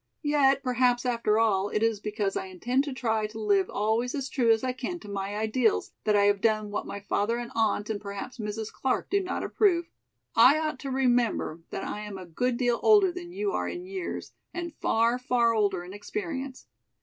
"Yet perhaps after all it is because I intend to try to live always as true as I can to my ideals that I have done what my father and aunt and perhaps Mrs. Clark do not approve. I ought to remember that I am a good deal older than you are in years and far, far older in experience.